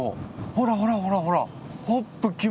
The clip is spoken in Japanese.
ほらほらほらほら。